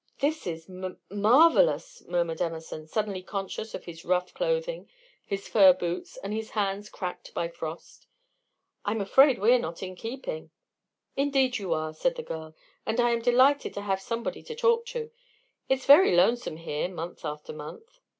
"This is m marvelous," murmured Emerson, suddenly conscious of his rough clothing, his fur boots, and his hands cracked by frost. "I'm afraid we're not in keeping." "Indeed you are," said the girl, "and I am delighted to have somebody to talk to. It's very lonesome here, month after month."